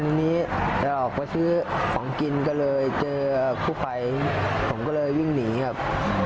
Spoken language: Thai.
วันนี้เราออกไปซื้อของกินก็เลยเจอครูไฟผมก็เลยวิ่งหนีครับ